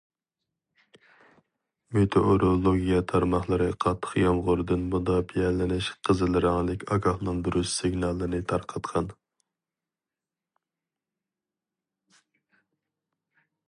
مېتېئورولوگىيە تارماقلىرى قاتتىق يامغۇردىن مۇداپىئەلىنىش قىزىل رەڭلىك ئاگاھلاندۇرۇش سىگنالىنى تارقاتقان.